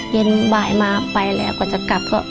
เย็นบ่ายมาไปแล้วกว่าจะกลับก็